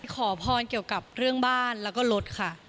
ขอพรเกี่ยวกับเรื่องบ้านแล้วก็รถค่ะ